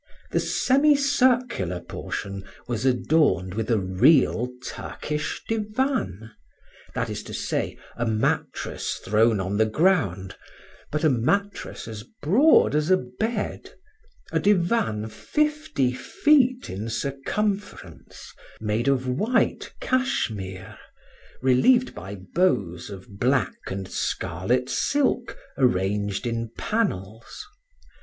The semicircular portion was adorned with a real Turkish divan, that is to say, a mattress thrown on the ground, but a mattress as broad as a bed, a divan fifty feet in circumference, made of white cashmere, relieved by bows of black and scarlet silk, arranged in panels.